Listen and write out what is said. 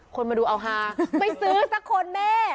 คนมาดูเอาฮาไปซื้อสักคนแม่